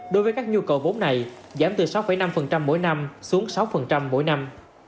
đối với các nhu cầu vốn này giảm từ sáu năm mỗi năm xuống sáu mỗi năm